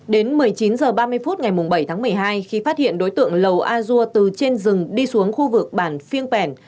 đến một mươi chín h ba mươi phút ngày bảy tháng một mươi hai khi phát hiện đối tượng lầu a dua từ trên rừng đi xuống khu vực bản phiêng pèn